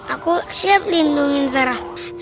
aku siap lindungin sarah